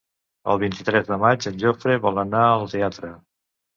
El vint-i-tres de maig en Jofre vol anar al teatre.